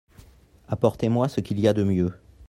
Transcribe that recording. Apportez-moi ce qu'il y a de mieux.